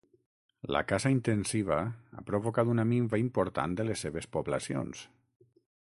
La caça intensiva ha provocat una minva important de les seves poblacions.